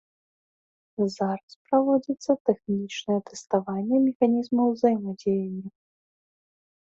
Зараз праводзіцца тэхнічнае тэставанне механізмаў узаемадзеяння.